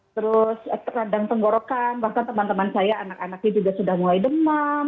terus terang tenggorokan bahkan teman teman saya anak anaknya juga sudah mulai demam